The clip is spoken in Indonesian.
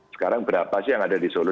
sekarang berapa sih yang ada di solo